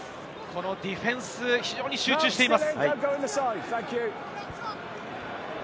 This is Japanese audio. ディフェンス、非常に集中しています。